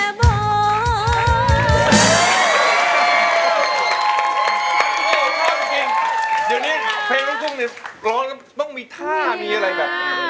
โอ้ชอบจริงดีวนี้เพลงน้องกุ้งเนี่ยร้องต้องมีท่ามีอะไรแบบ